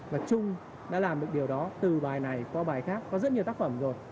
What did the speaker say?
mà trung đã làm được điều đó từ bài này qua bài khác có rất nhiều tác phẩm rồi